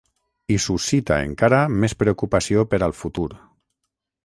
I suscita encara més preocupació per al futur.